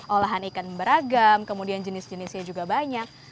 olahan ikan beragam kemudian jenis jenisnya juga banyak